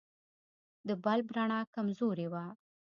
د بلب رڼا کمزورې وه.